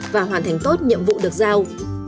và hoàn thành tốt nhiệm vụ được giao